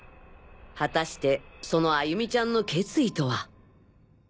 果たしてその歩美ちゃんの決意とは？